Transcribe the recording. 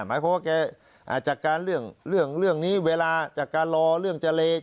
อ่าวอย่างเงี้ยความหมายแกเนี่ย